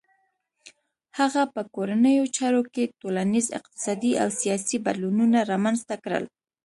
هغه په کورنیو چارو کې ټولنیز، اقتصادي او سیاسي بدلونونه رامنځته کړل.